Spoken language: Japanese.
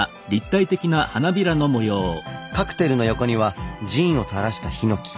カクテルの横にはジンをたらしたヒノキ。